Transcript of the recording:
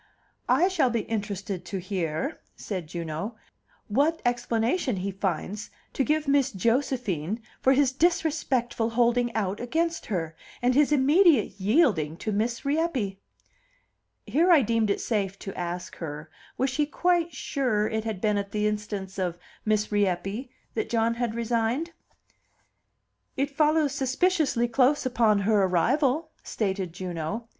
"I shall be interested to hear," said Juno, "what explanation he finds to give Miss Josephine for his disrespectful holding out against her, and his immediate yielding to Miss Rieppe." Here I deemed it safe to ask her, was she quite sure it had been at the instance of Miss Rieppe that John had resigned? "It follows suspiciously close upon her arrival," stated Juno.